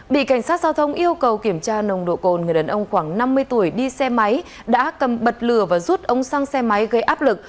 bị cảnh sát giao thông yêu cầu kiểm tra nồng độ cồn người đàn ông khoảng năm mươi tuổi đi xe máy đã cầm bật lửa và rút ông sang xe máy gây áp lực